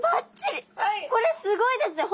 これすごいですね